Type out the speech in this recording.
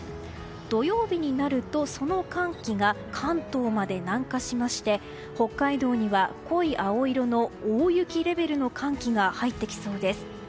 土曜日になると、その寒気が関東まで南下しまして北海道には濃い青色の大雪レベルの寒気が入ってきそうです。